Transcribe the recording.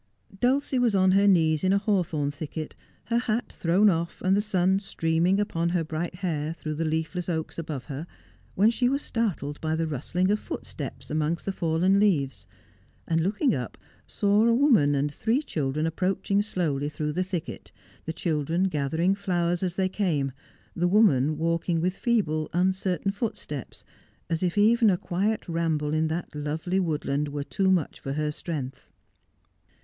Dulcie was on her knees in a hawthorn thicket, her hat thrown off, and the sun streaming upon her bright hair through the leafless oaks above her, when she was startled by the rust ling* of footsteps amongst the fallen leaves, and looking up saw a woman and three children approaching slowly through the thicket, the children gathering flowers as they came, the woman walking with feeble, uncertain footsteps, as if even a quiet ramble in that lovely woodland were too much for her strength.